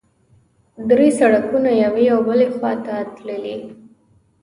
درې سړکونه یوې او بلې خوا ته تللي.